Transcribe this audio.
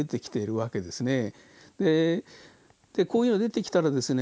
こういうのが出てきたらですね